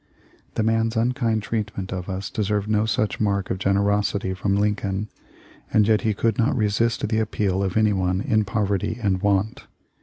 The man's unkind treatment of us deserved no such mark of generosity from Lincoln, and yet he could not resist the appeal of any one in poverty and want.